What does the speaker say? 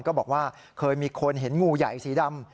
ก็บอกว่าเคยมีคนเห็นงูใหญ่สีดำ